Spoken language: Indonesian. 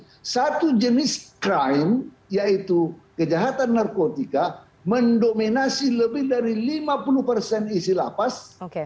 jadi satu jenis crime yaitu kejahatan narkotika mendominasi lebih dari lima puluh persen isi lapas